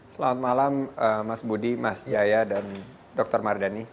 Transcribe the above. selamat malam mas budi mas jaya dan dr mardhani